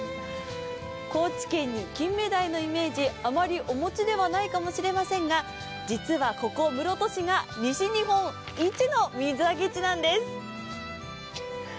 高知県にキンメダイのイメージ、あまりお持ちではないかもしれませんが実はここ、室戸市が西日本一の水揚げ地なんです。